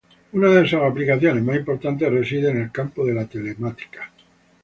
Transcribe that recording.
Una de sus aplicaciones más importantes reside en el campo de la telemática.